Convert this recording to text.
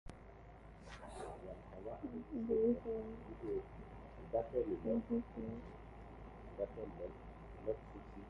The earliest recorded European vernacular literature is that written in the Irish language.